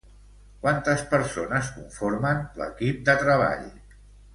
Quantes persones conformen l'equip de treball?